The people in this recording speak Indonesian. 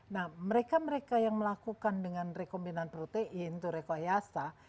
nah mereka mereka yang melakukan dengan rekombinan protein itu rekayasa